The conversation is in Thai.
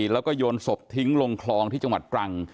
และโยนศพทิ้งลงคลองที่จังหวัดกลาง